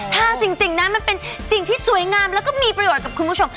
ถ้าสิ่งนั้นมันเป็นสิ่งที่สวยงามแล้วก็มีประโยชน์กับคุณผู้ชม